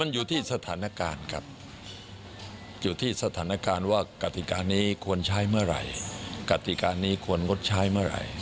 อยู่ที่สถานการณ์ว่ากฎิการนี้ควรใช้เมื่อไหร่กฎิการนี้ควรงดใช้เมื่อไหร่